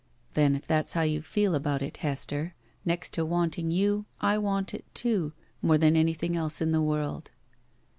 "Then, if that's how you feel about it, Hester, hext to wanting you, I want it, too, more than any thing else in the world."